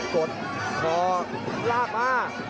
กดคอลากมา